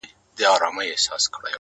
زه ومه ويده اكثر،